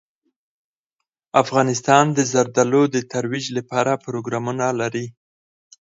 افغانستان د زردالو د ترویج لپاره پروګرامونه لري.